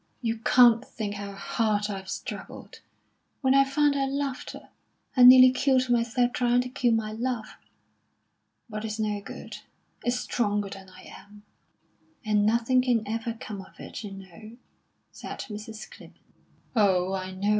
"You can't think how hard I've struggled. When I found I loved her, I nearly killed myself trying to kill my love. But it's no good. It's stronger than I am." "And nothing can ever come of it, you know," said Mrs. Clibborn. "Oh, I know!